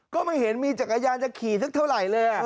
ก็ไม่เห็นมีจักรยานจะขี่สักเท่าไหร่เลย